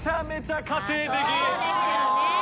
そうですよね。